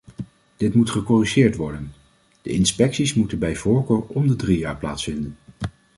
Dit moet gecorrigeerd worden; de inspecties moeten bij voorkeur om de drie jaar plaatsvinden.